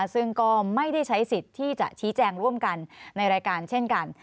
ซึ่งก็ไม่ได้ใช้สิทธิ์ที่จะชี้แจงร่วมกันในรายการเช่นกัน